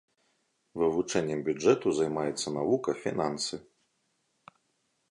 Вывучэннем бюджэту займаецца навука фінансы.